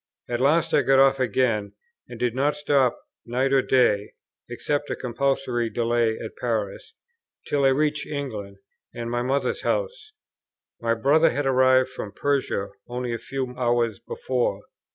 At last I got off again, and did not stop night or day, (except a compulsory delay at Paris,) till I reached England, and my mother's house. My brother had arrived from Persia only a few hours before.